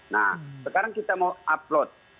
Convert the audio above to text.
nah sekarang kita mau upload